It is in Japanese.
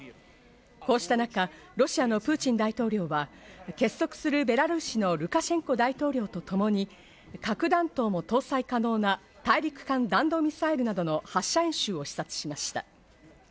こうした中、ロシアのプーチン大統領は結束するベラルーシのルカシェンコ大統領とともに核弾頭も搭載可能な大陸間弾道ミサイルなどの発射演習を視察しました。